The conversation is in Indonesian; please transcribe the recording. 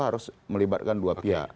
harus melibatkan dua pihak